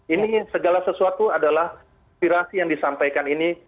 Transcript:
ini segala sesuatu adalah aspirasi yang disampaikan ini